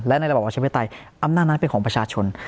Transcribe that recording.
และในระบอบประชาธิปไตยอำนาจนั้นเป็นของประชาชน